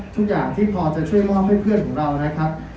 ทุกอย่างที่พอจะช่วยมอบให้เพื่อนของเรานะครับ